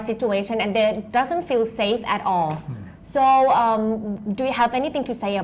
สถานการณ์ในอิสรัยังไม่ง่าย